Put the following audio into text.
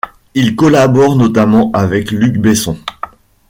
Il collabore notamment avec Luc Besson.